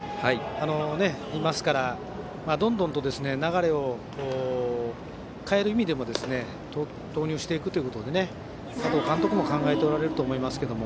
そういう意味ではピッチャーは豊富にいますからどんどんと流れを変える意味でも投入していくということで佐藤監督も考えておられると思いますけど。